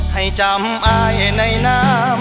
ให้จำอายในน้ำ